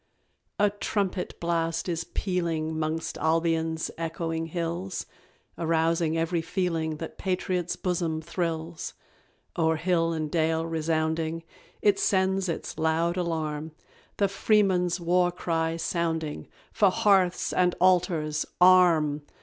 _ A trumpet blast is pealing 'Mongst Albion's echoing hills, Arousing every feeling That patriot's bosom thrills: O'er hill and dale resounding, It sends its loud alarm; The Freeman's war cry sounding, "For Hearths and Altars, arm!"